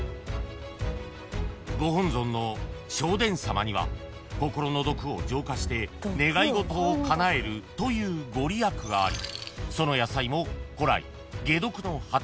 ［ご本尊の聖天様には心の毒を浄化して願い事をかなえるという御利益があり］